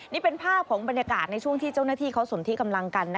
นี่เป็นภาพของบรรยากาศในช่วงที่เจ้าหน้าที่เขาสนที่กำลังกัน